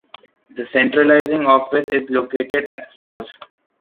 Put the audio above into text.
The centralizing office is located at Salles.